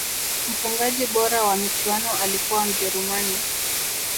mfungaji bora wa michuano alikuwa mjerumani